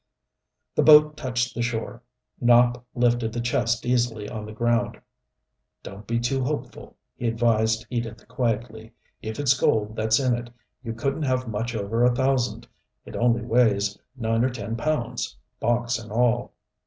The boat touched the shore. Nopp lifted the chest easily on the ground. "Don't be too hopeful," he advised Edith quietly. "If it's gold that's in it, you couldn't have much over a thousand. It only weighs nine or ten pounds, box and all."